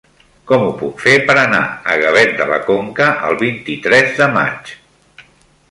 Com ho puc fer per anar a Gavet de la Conca el vint-i-tres de maig?